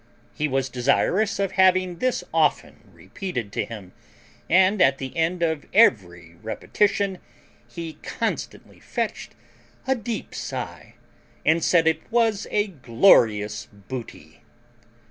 He was desirous of having this often repeated to him, and at the end of every repetition he constantly fetched a deep sigh, and said IT WAS A GLORIOUS BOOTY.